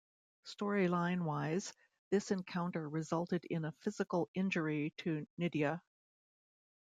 Storyline-wise, this encounter resulted in a physical 'injury' to Nidia.